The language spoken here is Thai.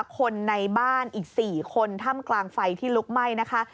คนในบ้านอีก๔คนถ้ำกลางไฟที่ลุกไหม้นะคะ